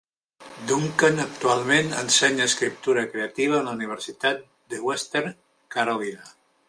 Duncan actualment ensenya escriptura creativa en la Universitat de Western Carolina.